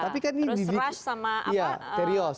terus rush sama terios